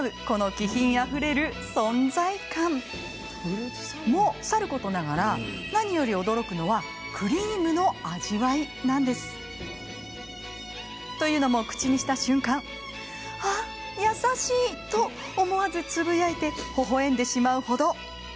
この気品あふれる存在感！も、さることながら何より驚くのはクリームの味わい。というのも、口にした瞬間あっ、優しい！と思わずつぶやいてほほえんでしまうほど。